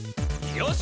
「よし！」